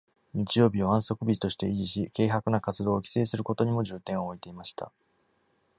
日曜日を安息日として維持し、軽薄な活動を規制することにも重点を置いていました。